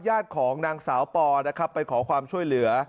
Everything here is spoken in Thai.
ญาติของนางสาวปอไปขอความช่วยเหลือ